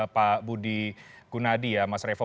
pak budi gunadi ya mas revo